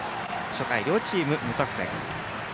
初回両チーム、無得点。